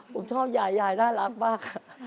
ผมชอบยายยายน่ารักมาก